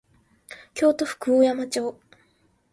京都府久御山町